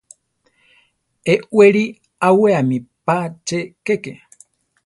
Eʼwéli awéame pa che kéke.